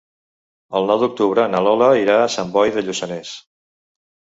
El nou d'octubre na Lola irà a Sant Boi de Lluçanès.